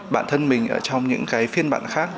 bản thân mình trong những phiên bản khác